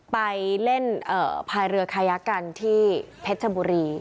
ไปเล่นพายเรือคายักกันที่เพชรชบุรี